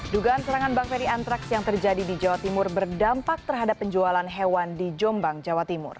dugaan serangan bakteri antraks yang terjadi di jawa timur berdampak terhadap penjualan hewan di jombang jawa timur